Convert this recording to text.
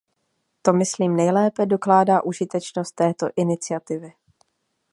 To myslím nejlépe dokládá užitečnost této iniciativy.